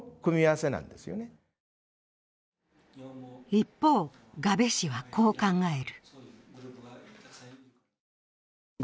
一方、我部氏はこう考える。